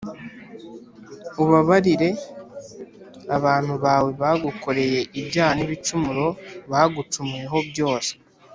ubabarire abantu bawe bagukoreye ibyaha n’ibicumuro bagucumuyeho byose